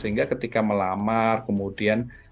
sehingga ketika melamar kemudian